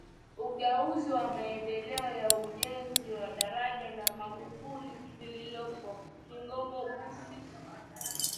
Ukaguzi wa maendeleo ya ujenzi wa daraja la Magufuli lilolopo Kigongo Busisi